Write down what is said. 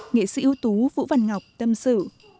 nghệ sĩ ưu tú vũ văn ngọc tâm sự